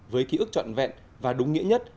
với ký ức trọn vẹn và đúng nghĩa nhất